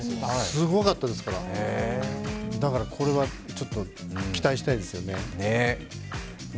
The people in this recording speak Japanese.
すごかったですから、だからこれはちょっと期待したいですよね。